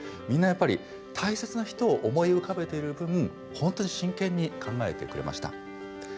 みんなやっぱり大切な人を思い浮かべてる分本当に真剣に考えてくれました。